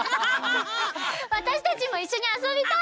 わたしたちもいっしょにあそびたい！